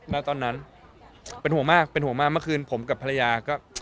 แล้วตอนนั้นเป็นห่วงมากเป็นห่วงมากเมื่อคืนผมกับภรรยาก็